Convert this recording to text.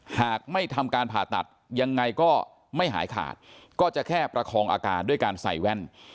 หากไม่ทำการผ่าตัดยังไงก็ไม่หายขาดก็จะแค่ประคองอาการด้วยการใส่แว่น